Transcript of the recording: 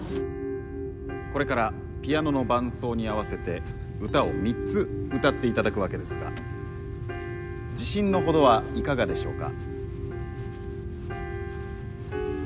これからピアノの伴奏に合わせて歌を３つ歌っていただくわけですが自信の程はいかがでしょうか？